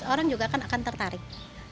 orang juga akan tertarik